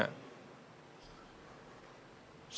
semua orang mebel tahu kapan kita harus pergi ke high point